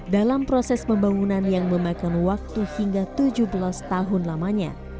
dalam proses pembangunan yang memakan waktu hingga tujuh belas tahun lamanya